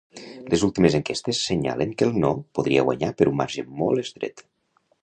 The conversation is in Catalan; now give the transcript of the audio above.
Les últimes enquestes senyalen que el ‘no’ podria guanyar per un marge molt estret.